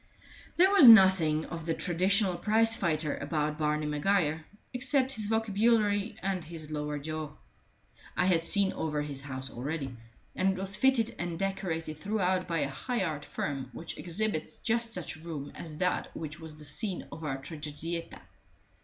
There was nothing of the traditional prize fighter about Barney Maguire, except his vocabulary and his lower jaw. I had seen over his house already, and it was fitted and decorated throughout by a high art firm which exhibits just such a room as that which was the scene of our tragedietta.